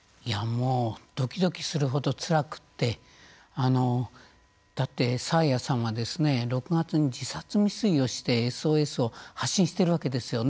どきどきするほどつらくてだって爽彩さんは６月に自殺未遂をしてＳＯＳを発信しているわけですよね。